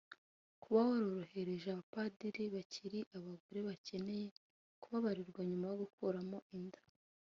Kuba warorohereje abapadiri bakira abagore bakeneye kubabarirwa nyuma yo gukuramo inda